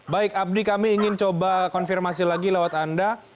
baik abdi kami ingin coba konfirmasi lagi lewat anda